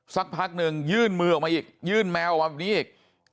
สักพักหนึ่งยื่นมือออกมาอีกยื่นแมวออกมาแบบนี้อีก